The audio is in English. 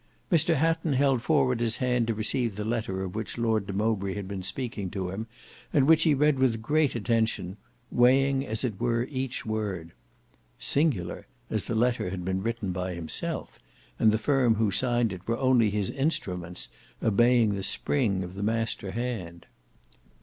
Mr Hatton held forward his hand to receive the letter of which Lord de Mowbray had been speaking to him, and which he read with great attention, weighing as it were each word. Singular! as the letter had been written by himself, and the firm who signed it were only his instruments, obeying the spring of the master hand.